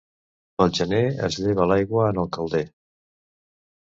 Pel gener es lleva l'aigua en el calder.